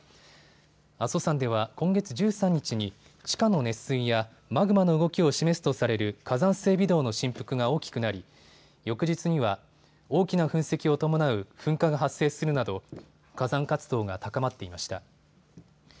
阿蘇山では今月１３日に地下の熱水やマグマの動きを示すとされる火山性微動の振幅が大きくなり翌日には大きな噴石を伴う噴火が発生するなど火山活動が高まっていました。